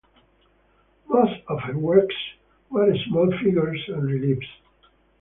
Most of her works were small figures and reliefs.